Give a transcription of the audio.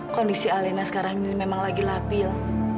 kondisi alena sekarang ini memang lagi lapil